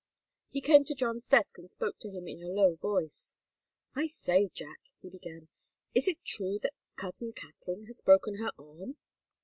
He came to John's desk and spoke to him in a low voice. "I say, Jack," he began, "is it true that cousin Katharine has broken her arm?"